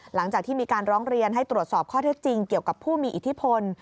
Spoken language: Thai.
หลังจากที่มีการร้องเรียนให้ตรวจสอบข้อเท็จจริงเกี่ยวกับผู้มีอิทธิพล